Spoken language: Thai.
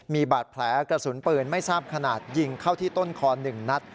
มีบาดแผลกระสุนปืนไม่ทราบขนาดยิงเข้าที่ต้นคอ๑นัด